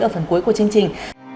ở phần cuối của chương trình